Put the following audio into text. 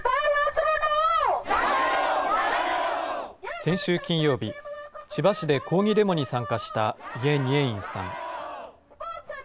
先週金曜日、千葉市で抗議デモに参加したイェ・ニェインさん。